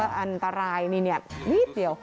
ถ้ามีอันตรายนี่เห็นมึดเดี๋ยว